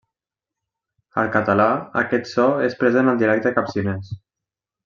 Al català aquest so és present al dialecte capcinès.